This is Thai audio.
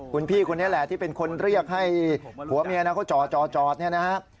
คุณพี่คนนี้แหละที่เป็นคนเรียกให้ผัวเมียนะเขาจ่อเนี่ยนะฮะ